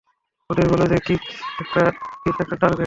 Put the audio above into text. ওদের বল যে কিফ একটা টার্গেট!